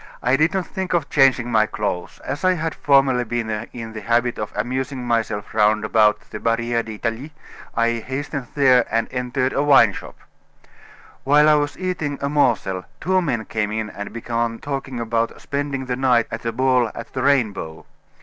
I did not think of changing my clothes. As I had formerly been in the habit of amusing myself round about the Barriere d'Italie, I hastened there and entered a wine shop. While I was eating a morsel, two men came in and began talking about spending the night at a ball at the Rainbow.